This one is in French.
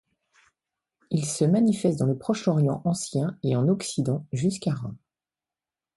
Ils se manifestent dans le Proche-Orient ancien et en Occident jusqu'à Rome.